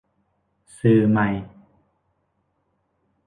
สื่อใหม่